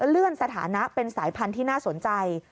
เลื่อนสถานะเป็นสายพันธุ์ที่น่าสนใจ